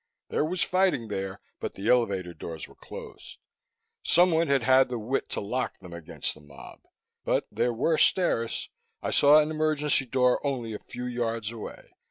There was fighting there, but the elevator doors were closed. Someone had had the wit to lock them against the mob. But there were stairs; I saw an emergency door only a few yards away.